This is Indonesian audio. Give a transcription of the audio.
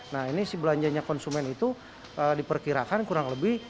nah ini si belanjanya konsumen itu diperkirakan kurang lebih